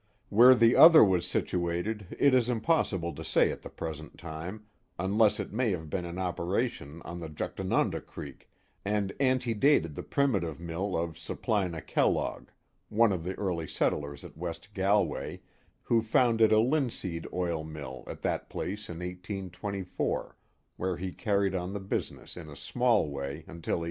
Where the other was situated it is impossible to say at the present time, unless it may have been in operation on the Juchtanunda Creek, and ante dated the primitive mill of Supplina Kellogg, one of the early settlers at West Galway, who founded a linseed oil mill at that place in 1824, where he carried on the business in a small way until 1848.